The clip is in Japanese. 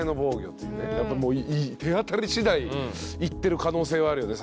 手当たり次第いってる可能性はあるよね